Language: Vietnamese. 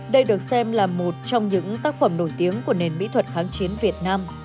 đây được xem là một trong những tác phẩm nổi tiếng của nền mỹ thuật kháng chiến việt nam